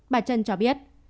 bà trân cho biết